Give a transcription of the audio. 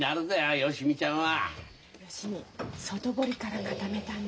芳美外堀から固めたね。